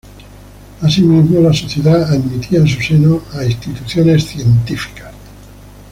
Asimismo, la Sociedad admitía en su seno a instituciones científicas.